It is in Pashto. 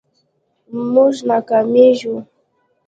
مونږ ناکامیږو